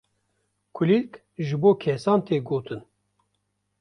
kulîlk ji bo kesan tê gotin.